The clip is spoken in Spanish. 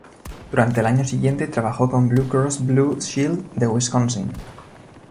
Durante el año siguiente, trabajó con Blue Cross Blue Shield de Wisconsin.